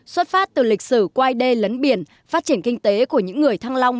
xuất phát từ lịch sử quai đê lấn biển phát triển kinh tế của những người thăng long